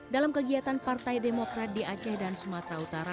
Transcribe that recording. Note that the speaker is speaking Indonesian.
dalam kegiatan partai demokrat di aceh dan sumatera utara